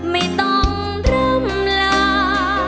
ไม่ต้องเริ่มลา